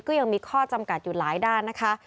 ก็ยังมีข้อจำกัดอยู่หลายด้านนะคะ